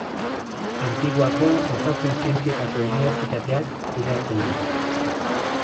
Antiguako Osasun Zientzietako Unibertsitateak kudeatzen du.